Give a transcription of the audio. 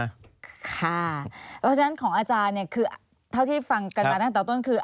เพราะฉะนั้นของอาจารย์เนี่ยคือเท่าที่ฟังกันมาตั้งแต่ต้นคือ